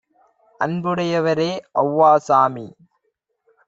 "அன்புடை யவரே அவ் வாசாமி